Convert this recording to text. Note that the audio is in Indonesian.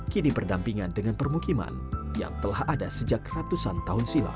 kini berdampingan dengan permukiman yang telah ada sejak ratusan tahun silam